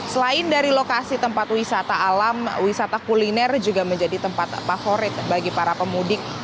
selain dari lokasi tempat wisata alam wisata kuliner juga menjadi tempat favorit bagi para pemudik